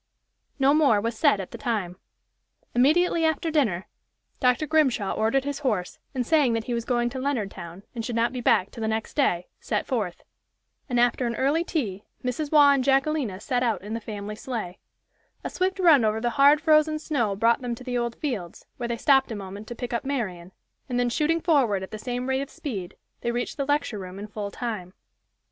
No more was said at the time. Immediately after dinner Dr. Grimshaw ordered his horse, and saying that he was going to Leonardtown and should not be back till the next day, set forth. And after an early tea, Mrs. Waugh and Jacquelina set out in the family sleigh. A swift run over the hard, frozen snow brought them to Old Fields, where they stopped a moment to pick up Marian, and then shooting forward at the same rate of speed, they reached the lecture room in full time.